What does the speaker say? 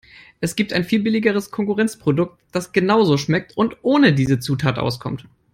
Es gibt ein viel billigeres Konkurrenzprodukt, das genauso schmeckt und ohne diese Zutat auskommt.